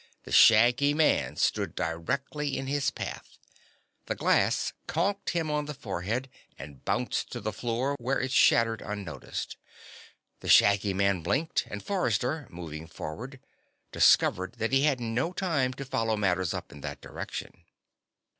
The shaggy man stood directly in his path. The glass conked him on the forehead and bounced to the floor, where it shattered unnoticed. The shaggy man blinked and Forrester, moving forward, discovered that he had no time to follow matters up in that direction.